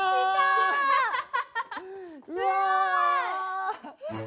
うわ！